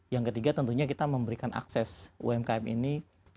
yang ketiga tentunya kita memberikan akses umkm ini